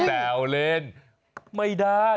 แต่เอาเล่นไม่ได้